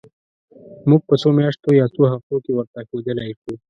موږ په څو میاشتو یا څو هفتو کې ورته ښودلای شو.